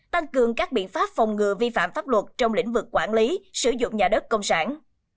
tăng cường các biện pháp phòng ngừa vi phạm pháp luật trong lĩnh vực quản lý sử dụng nhà đất công sản